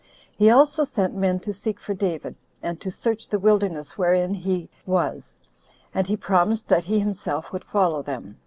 He also sent men to seek for David, and to search the wilderness wherein he was; and he promised that he himself would follow them.